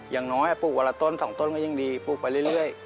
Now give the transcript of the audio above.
อย่างน้อยปลูกวันละต้น๒ต้นก็ยิ่งดีปลูกไปเรื่อย